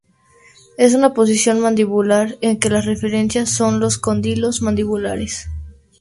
Es una posición mandibular, en que las referencias son los cóndilos mandibulares.